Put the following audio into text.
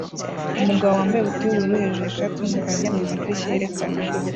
Umugabo wambaye buto yubururu hejuru ishati numukobwa aryamye mumadirishya yerekana